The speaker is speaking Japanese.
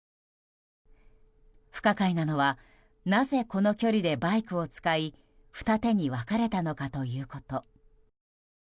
不可解なのはなぜこの距離でバイクを使い二手に分かれたのかということ。